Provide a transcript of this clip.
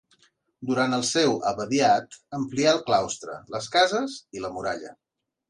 Durant el seu abadiat amplià el claustre, les cases i la muralla.